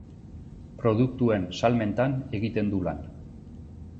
Produktuen salmentan egiten du lan.